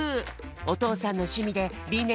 おとうさんのしゅみでりんね